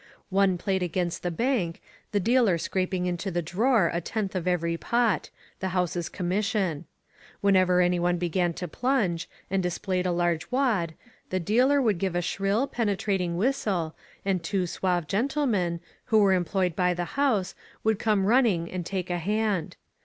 One played against the bank, the dealer scraping into the drawer a tenth of every pot — the house's commission. Whenever anyone began to plunge, and displayed a large wad, the dealer would give a shrill, penetrating whistle and two suave gen tlemen, who were employed by the house, would come running and take a hand.